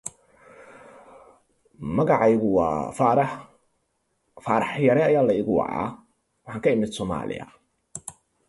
Marozia was thus allegedly able to exert complete control over the Pope.